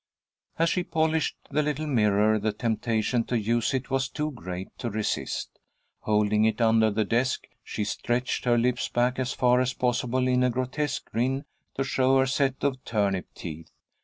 As she polished the little mirror, the temptation to use it was too great to resist. Holding it under the desk, she stretched her lips back as far as possible in a grotesque grin, to show her set of turnip teeth.